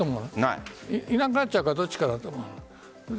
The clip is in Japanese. いなくなっちゃうかどっちかだと思う。